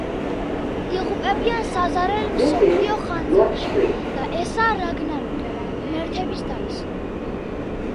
იღუპებიან საზარელ მსოფლიო ხანძარში, და ესაა რაგნაროკი, ღმერთების დაისი.